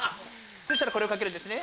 そしたらこれをかけるんですね。